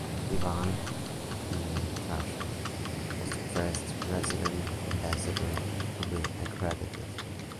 Ivan Hnatyshyn was the first resident ambassador to be accredited.